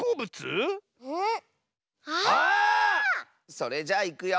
それじゃいくよ。